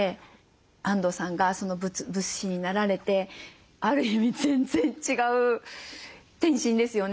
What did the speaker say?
あんどうさんが仏師になられてある意味全然違う転身ですよね。